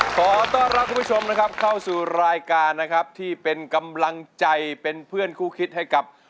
ขอต้อนรับคุณผู้ชมนะครับเข้าสู่รายการนะครับที่เป็นกำลังใจเป็นเพื่อนคู่คิดให้กับ